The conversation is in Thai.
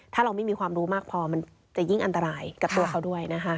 ถ้าเราไม่มีความรู้มากพอมันจะยิ่งอันตรายกับตัวเขาด้วยนะคะ